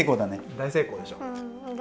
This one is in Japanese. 大成功でしょ？